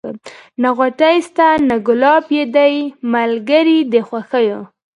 نه غوټۍ سته نه ګلاب یې دی ملګری د خوښیو